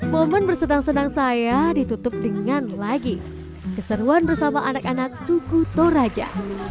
momen bersedang senang saya ditutup dengan lagi keseruan bersama anak anak suku toraja